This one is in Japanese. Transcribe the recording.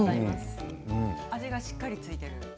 味がしっかり付いている感じ。